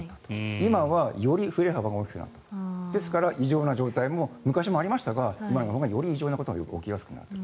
今はより、振り幅が大きくなったとですから、異常な状態も昔もありましたが今のほうがより異常なことが起きやすくなっている。